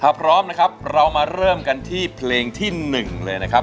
ถ้าพร้อมนะครับเรามาเริ่มกันที่เพลงที่๑เลยนะครับ